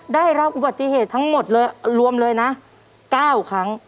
ได้รับอุบัติเหตุทั้งหมดเลยรวมเลยนะ๙ครั้ง